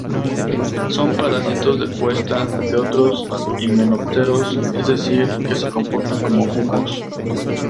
Son parásitos de puesta de otros himenópteros, es decir que se comportan como cucos.